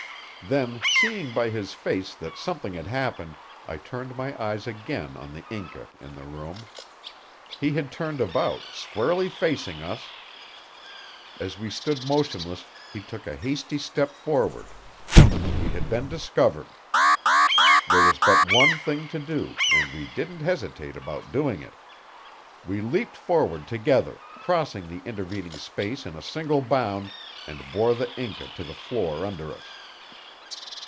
Then, seeing by his face that something had happened, I turned my eyes again on the Inca in the room. He had turned about, squarely facing us. As we stood motionless he took a hasty step forward; we had been discovered. There was but one thing to do, and we didn't hesitate about doing it. We leaped forward together, crossing the intervening space in a single bound, and bore the Inca to the floor under us.